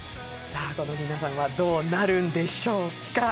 皆さんはどうなるんでしょうか。